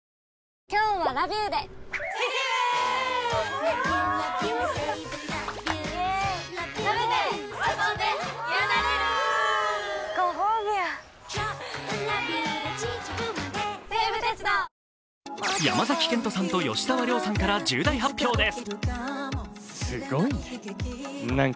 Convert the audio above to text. わぁ山崎賢人さんと吉沢亮さんから重大発表です